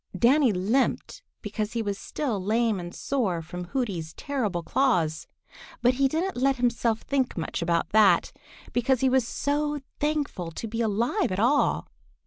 Danny limped because he was still lame and sore from Hooty's terrible claws, but he didn't let himself think much about that, because he was so thankful to be alive at all.